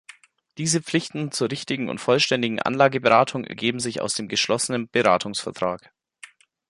Diese Pflichten zur richtigen und vollständigen Anlageberatung ergeben sich aus dem geschlossenen Beratungsvertrag.